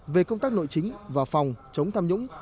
về công tác nội chính và phòng chống tham nhũng